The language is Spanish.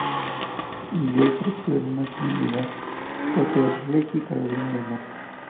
Vivió y creció en una comunidad cuáquera de Raleigh, Carolina del Norte.